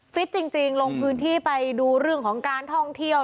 ฟิตจริงลงพื้นที่ไปดูเรื่องของการท่องเที่ยว